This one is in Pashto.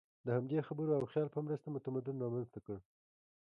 د همدې خبرو او خیال په مرسته مو تمدن رامنځ ته کړ.